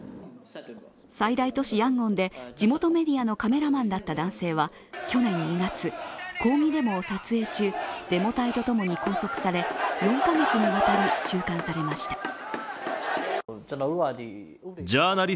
最大都市ヤンゴンで地元メディアのカメラマンだった男性は去年２月、抗議デモを撮影中、デモ隊と共に拘束され４カ月にわたり収監されました。